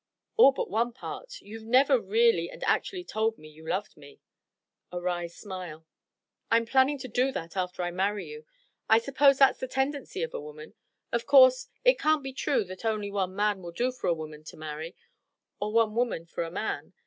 "All but one part. You've never really and actually told me you loved me." A wry smile. "I'm planning to do that after I marry you. I suppose that's the tendency of a woman? Of course, it can't be true that only one man will do for a woman to marry, or one woman for a man?